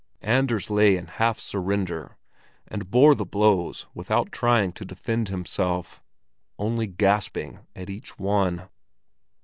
Anders lay in half surrender, and bore the blows without trying to defend himself, only gasping at each one.